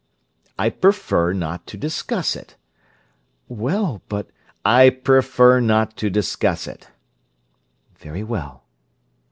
"I prefer not to discuss it." "Well, but—" "I prefer not to discuss it!" "Very well."